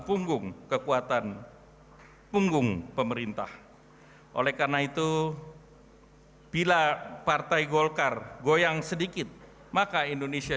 punggung kekuatan punggung pemerintah oleh karena itu bila partai golkar goyang sedikit maka indonesia